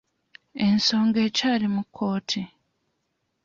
Ensongo ekyali mu kkooti.